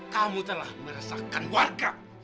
kamu telah merasakan warga